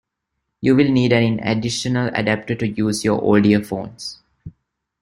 You will need an additional adapter to use your old earphones.